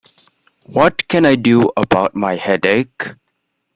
What can I do about my headache?